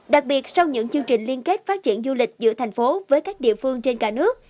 đặc biệt sau những chương trình liên kết phát triển du lịch giữa thành phố với các địa phương trên cả nước